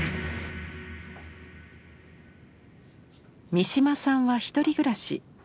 三島さんは１人暮らし。